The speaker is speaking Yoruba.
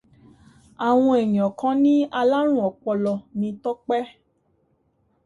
Àwọn èèyàn kan ní alárùn ọpọlọ ni Tọ́pẹ́.